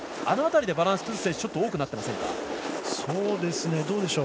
あの辺りでバランスを崩す選手が多くなっていませんか。